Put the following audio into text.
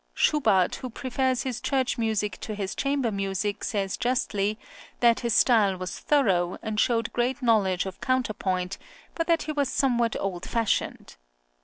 Schubart, who prefers his church music to his chamber music, says justly, that his style was thorough, and showed great knowledge of counterpoint, but that he was somewhat old fashioned.